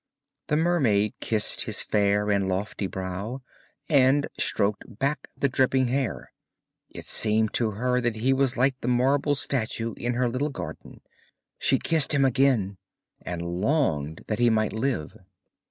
The mermaid kissed his fair and lofty brow, and stroked back the dripping hair; it seemed to her that he was like the marble statue in her little garden; she kissed him again and longed that he might live.